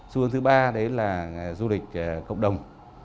xu hướng thứ ba đấy là du lịch cộng đồng